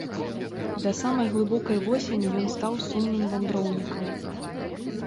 Да самай глыбокай восені ён стаў сумным вандроўнікам.